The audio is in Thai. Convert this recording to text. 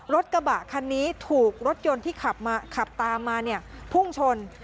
รถกระบะคันนี้ถูกรถยนต์ที่ขับตามมาเนี่ยพุ่งชน